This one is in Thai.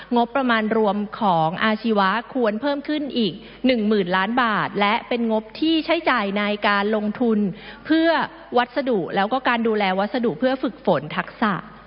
งบประมาณรวมของอาชีวะควรเพิ่มขึ้นอีกหนึ่งหมื่นล้านบาทและเป็นงบที่ใช้จ่ายในการลงทุนเพื่อวัสดุแล้วก็การดูแลวัสดุเพื่อฝึกฝนทักษะ